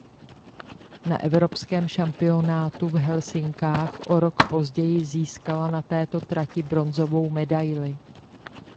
Na evropském šampionátu v Helsinkách o rok později získala na této trati bronzovou medaili.